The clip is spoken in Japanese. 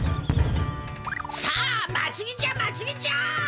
さあまつりじゃまつりじゃ！